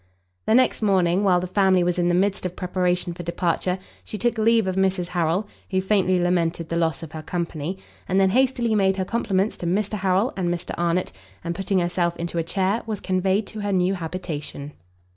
The next morning, while the family was in the midst of preparation for departure, she took leave of Mrs Harrel, who faintly lamented the loss of her company, and then hastily made her compliments to Mr Harrel and Mr Arnott, and putting herself into a chair, was conveyed to her new habitation.